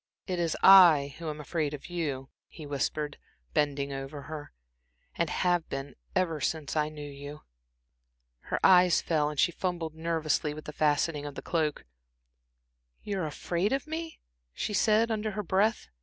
"It is I who am afraid of you," he whispered, bending over her, "and have been ever since I knew you." Her eyes fell, and she fumbled nervously with the fastening of the cloak. "Ah, you were afraid of me?" she said, under her breath.